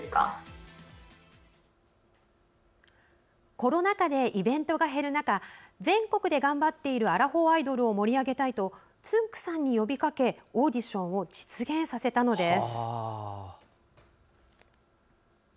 コロナ禍でイベントが減る中全国で頑張っているアラフォーアイドルを盛り上げたいとつんく♂さんに呼びかけオーディションを実現させたのです。